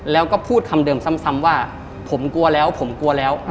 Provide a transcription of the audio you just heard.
แล้วก็พูดคำเดิมซ้ำว่าผมกลัวแล้วผมกลัวแล้ว